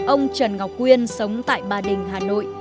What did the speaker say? ông trần ngọc quyên sống tại ba đình hà nội